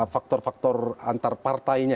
faktor faktor antar partainya